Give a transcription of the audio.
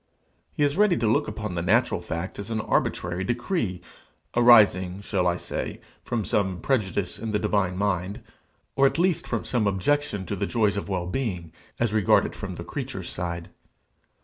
He is ready to look upon the natural fact as an arbitrary decree, arising, shall I say? from some prejudice in the divine mind, or at least from some objection to the joys of well being, as regarded from the creatures' side.